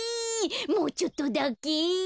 もうちょっとだけ。